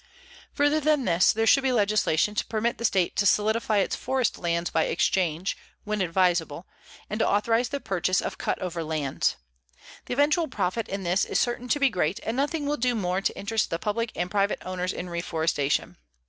_ Further than this, there should be legislation to permit the state to solidify its forest lands by exchange, when advisable, and to authorize the purchase of cut over lands. The eventual profit in this is certain to be great, and nothing will do more to interest the public and private owners in reforestation.